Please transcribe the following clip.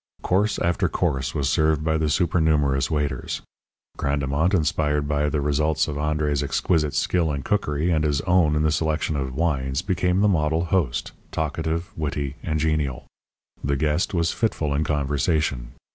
Course after course was served by the supernumerous waiters. Grandemont, inspired by the results of André's exquisite skill in cookery and his own in the selection of wines became the model host, talkative, witty, and genial. The guest was fitful in conversation.